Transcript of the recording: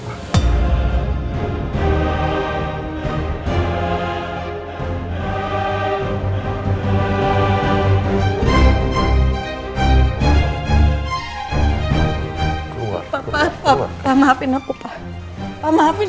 pak maafin aku pak